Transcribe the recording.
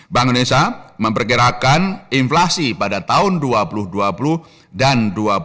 bank indonesia memperkirakan inflasi pada tahun dua ribu dua puluh dan dua ribu dua puluh